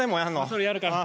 それやるから。